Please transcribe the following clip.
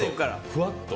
ふわっと。